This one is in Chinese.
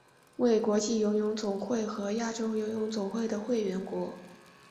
为国际游泳总会和亚洲游泳总会的会员国。